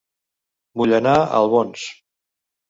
Vull anar a Albons